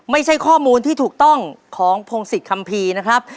ไม่ใช่ข้อมูลที่ถูกต้องของพงศิษยคัมภีร์นะครับ